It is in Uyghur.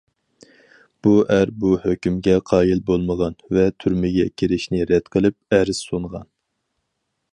بۇ ئەر بۇ ھۆكۈمگە قايىل بولمىغان ۋە تۈرمىگە كىرىشنى رەت قىلىپ، ئەرز سۇنغان.